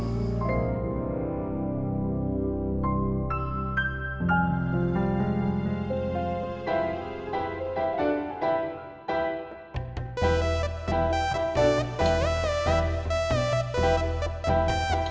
dan jangan pulang